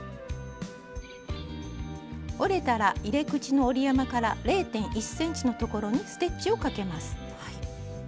折れたら入れ口の折り山から０．１ｃｍのところにステッチをかけます。